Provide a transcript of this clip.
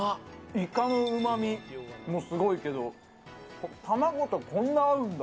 いかのうまみもすごいけど、卵とこんな合うんだ。